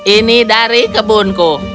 ini dari kebunku